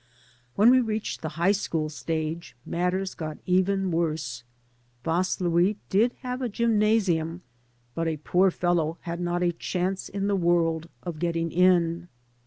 When we reached the high school stage matters got even worse. Vaslui did have a gymnasium, but a poor fellow had not a chance in the world of getting in.